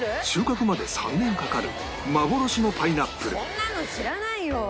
そんなの知らないよ！